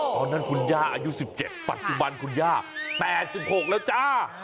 ตอนนั้นคุณย่าอายุ๑๗ปัจจุบันคุณย่า๘๖แล้วจ้า